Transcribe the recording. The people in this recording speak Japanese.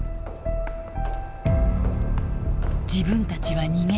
「自分たちは逃げない。